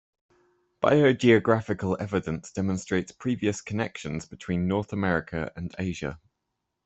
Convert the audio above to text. Biogeographical evidence demonstrates previous connections between North America and Asia.